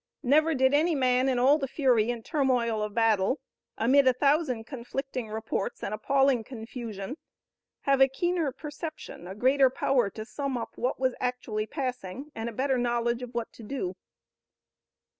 Never did any man in all the fury and turmoil of battle, amid a thousand conflicting reports and appalling confusion, have a keener perception, a greater power to sum up what was actually passing, and a better knowledge of what to do.